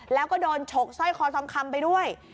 แล้วก็โดนฉกสร้อยคอทองคำไปด้วย